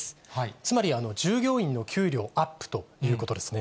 つまり、従業員の給料アップということですね。